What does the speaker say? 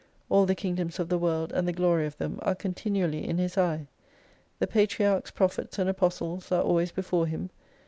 All the kingdoms of the world, and the glory of them are continually in his eye. The patriarchs, prophets, and Apostles are always before Him.